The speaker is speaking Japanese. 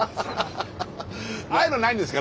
ああいうのないんですか？